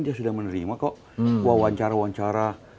dia sudah menerima kok wawancara wawancara